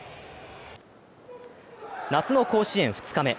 夏の甲子園２日目。